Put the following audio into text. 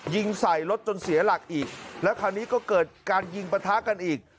ยิงใส่รถจนเสียหลักอีกแล้วคราวนี้ก็เกิดการยิงปะทะกันอีก